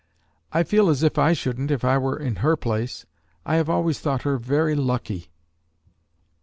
I feel as if I shouldn't if I were in her place. I have always thought her very lucky."